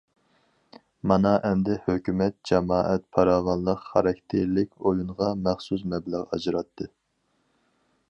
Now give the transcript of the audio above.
مانا ئەمدى ھۆكۈمەت جامائەت پاراۋانلىقى خاراكتېرلىك ئويۇنغا مەخسۇس مەبلەغ ئاجراتتى.